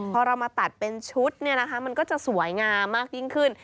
พอเรามาตัดเป็นชุดมันก็จะสวยงามมากยิ่งขึ้น